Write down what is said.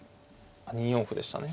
２四歩でしたね。